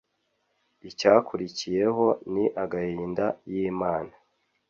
icyakurikiyeho ni agahinda y’ imana